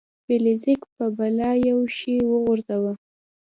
فلیریک په بلا یو شی وغورځاوه.